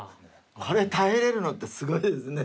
これ耐えれるのってすごいですね